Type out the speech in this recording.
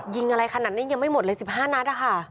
ยิงอะไรขนาดนี้ยังไม่หมดเลย๑๕นัดนะคะ